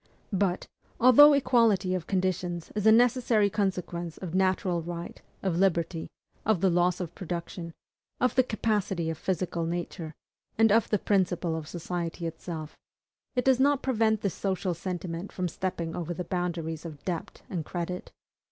But, although equality of conditions is a necessary consequence of natural right, of liberty, of the laws of production, of the capacity of physical nature, and of the principle of society itself, it does not prevent the social sentiment from stepping over the boundaries of DEBT and CREDIT.